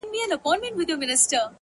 o دا هوښیاري نه غواړم. عقل ناباب راکه.